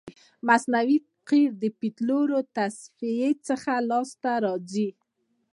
مصنوعي قیر د پطرولو د تصفیې څخه لاسته راځي